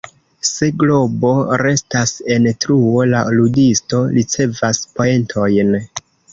Se globo restas en truo, la ludisto ricevas poentojn.